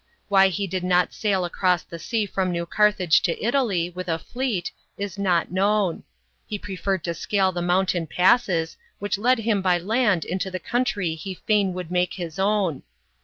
Why he did not sail across the sea from New Carthage to Italy, with a fleet, is not known ; he preferred to scale the mountain passes, which led him by land into the country he fain would make his own.